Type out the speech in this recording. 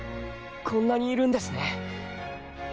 こんなにいるんですね。